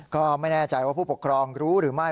ก็ไม่แน่ใจว่าผู้ปกครองรู้หรือไม่